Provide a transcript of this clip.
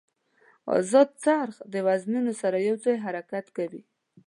ازاد څرخ د وزنونو سره یو ځای حرکت کوي.